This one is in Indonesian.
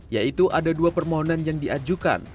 yaitu ada dua permohonan yang diajukan